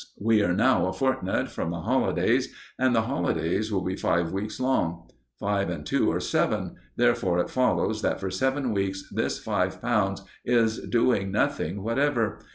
We are now a fortnight from the holidays, and the holidays will be five weeks long. Five and two are seven, therefore it follows that for seven weeks this five pounds is doing nothing whatever.